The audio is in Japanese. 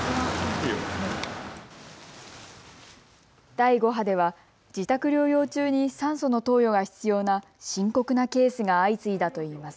第５波では自宅療養中に酸素の投与が必要な深刻なケースが相次いだといいます。